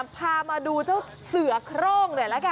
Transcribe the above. พามาดูเจ้าเสือโคร้ง